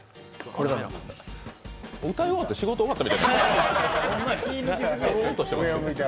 歌い終わって仕事終わった？